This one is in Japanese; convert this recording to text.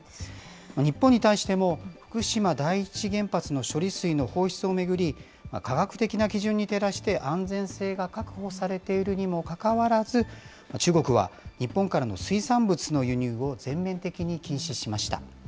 日本に対しても、福島第一原発の処理水の放出を巡り、科学的な基準に照らして安全性が確保されているにもかかわらず、中国は日本からの水産物の輸入を全面的に禁止しました。